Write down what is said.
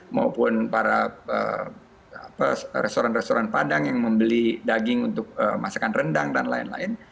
maupun para restoran restoran padang yang membeli daging untuk masakan rendang dan lain lain